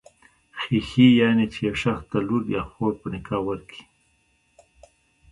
خېښي، يعنی چي يو شخص ته لور يا خور په نکاح ورکي.